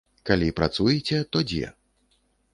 Калі працуеце, то дзе?